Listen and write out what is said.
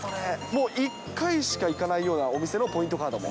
もう、一回しか行かないようなお店のポイントカードも。